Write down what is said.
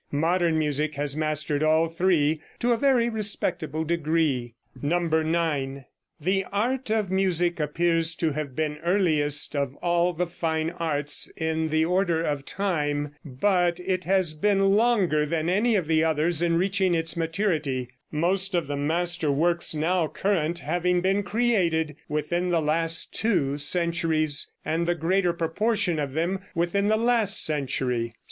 Modern music has mastered all three to a very respectable degree. 9. The art of music appears to have been earliest of all the fine arts in the order of time; but it has been longer than any of the others in reaching its maturity, most of the master works now current having been created within the last two centuries, and the greater proportion of them within the last century.